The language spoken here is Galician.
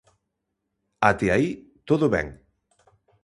Até aí, todo ben.